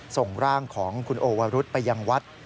ส่งร่างของคุณโอวรุษไปยังวัด